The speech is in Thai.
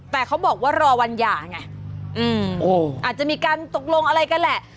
แต่เขาบอกว่ารอวันหย่าไงอาจจะมีการตกลงอะไรกันแหละ